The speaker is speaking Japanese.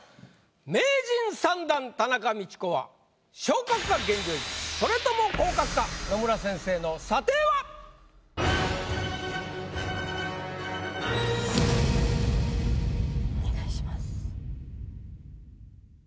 名人３段田中道子はそれとも野村先生の査定は⁉お願いします。